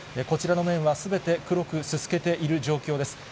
こちらの面はすべて黒くすすけている状況です。